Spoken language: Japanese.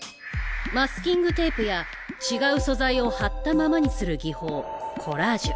マスキングテープや違う素材を貼ったままにする技法コラージュ。